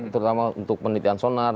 terutama untuk penelitian sonar